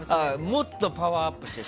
もっとパワーアップして。